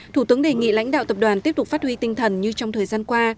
thủ tướng đề nghị lãnh đạo tập đoàn tiếp tục phát huy tinh thần như trong thời gian qua